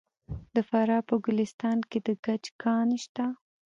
د فراه په ګلستان کې د ګچ کان شته.